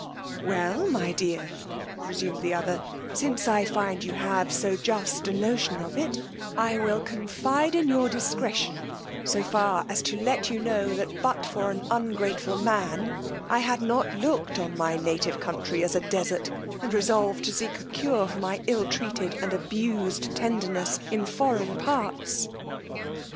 Well, my dear, resumed the other, since I find you have so just a notion of it, I will confide in your discretion so far as to let you know, that but for an ungrateful man, I had not looked on my native country as a desart, and resolved to seek a cure for my ill treated and abused tenderness in foreign parts.